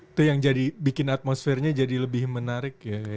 itu yang jadi bikin atmosfernya jadi lebih menarik ya